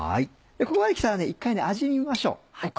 ここまで来たら一回味見ましょう。